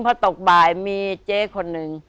พอตกบ่ายมีเจ๊คนหนึ่ง